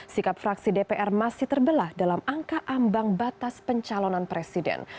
sikap fraksi dpr masih terbelah dalam angka ambang batas pencalonan presiden